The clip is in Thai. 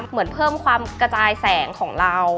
เหมือนเพิ่มความกระจายแสงของเรา